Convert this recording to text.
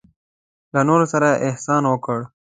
له نورو سره احسان وکړه.